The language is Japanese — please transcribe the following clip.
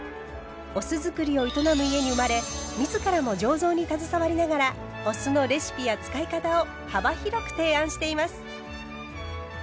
お酢造りを営む家に生まれ自らも醸造に携わりながらお酢のレシピや使い方を幅広く提案しています。